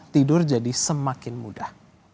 tidur jadi semakin mudah